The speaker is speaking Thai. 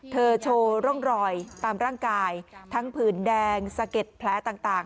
โชว์ร่องรอยตามร่างกายทั้งผื่นแดงสะเก็ดแผลต่าง